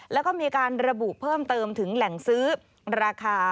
แล้วก็มีการระบุเพิ่มเติมถึงแหล่งซื้อราคา